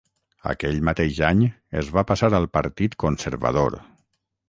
Aquell mateix any es va passar al Partit Conservador.